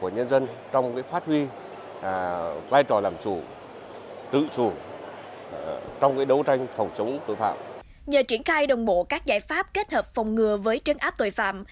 nhờ triển khai đồng bộ các giải pháp kết hợp phòng ngừa với trấn áp tội phạm